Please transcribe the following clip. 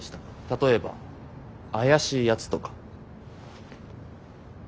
例えば怪しいやつとか。